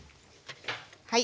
はい。